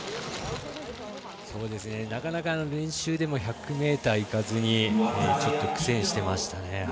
なかなか練習でも１００ｍいかずにちょっと苦戦してましたね。